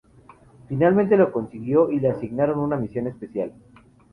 Finalmente lo consiguió y le asignaron una misión espacial.